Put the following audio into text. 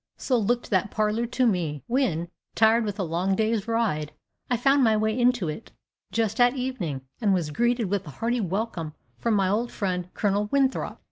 So looked that parlor to me, when, tired with a long day's ride, I found my way into it, just at evening, and was greeted with a hearty welcome from my old friend, Colonel Winthrop.